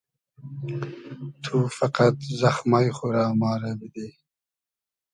تو فئقئد زئخمای خو رۂ ما رۂ بیدی